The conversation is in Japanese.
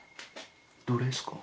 どれですか？